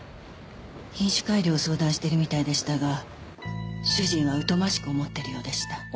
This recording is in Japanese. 品種改良を相談しているみたいでしたが主人は疎ましく思っているようでした。